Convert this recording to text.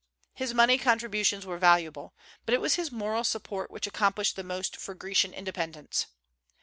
His money contributions were valuable; but it was his moral support which accomplished the most for Grecian independence.